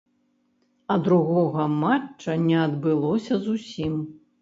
А другога матча не адбылося зусім.